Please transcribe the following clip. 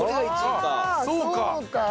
そうか！